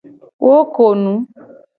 Wo ko nu.